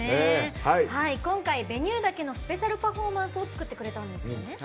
今回「Ｖｅｎｕｅ」だけのスペシャルパフォーマンスを作ってくれたんですよね。